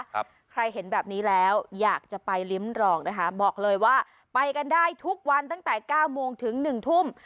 ใครเห็นแบบนี้แล้วอยากจะไปริ้มรองนะคะบอกเลยว่าไปกันได้ทุกวันตั้งแต่เก้าโมงถึงหนึ่งทุ่ม